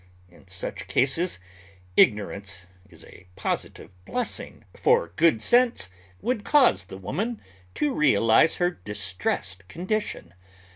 In such cases ignorance is a positive blessing, for good sense would cause the woman to realize her distressed condition.